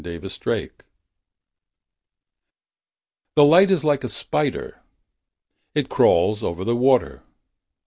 b3297635 The light is like a spider. It crawls over the water.